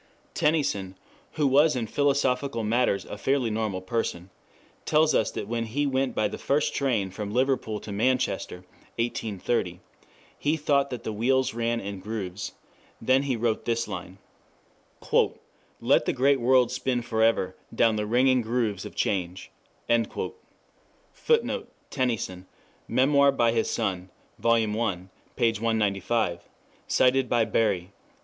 Tennyson, who was in philosophical matters a fairly normal person, tells us that when he went by the first train from Liverpool to Manchester (1830) he thought that the wheels ran in grooves. Then he wrote this line: "Let the great world spin forever down the ringing grooves of change." [Footnote: 2 Tennyson, Memoir by his Son, Vol. I, p. 195. Cited by Bury, _op.